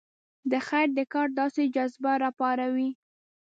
د خیر د کار داسې جذبه راپاروي.